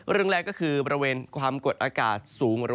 เรื่องแรกก็คือบริเวณความกดอากาศสูง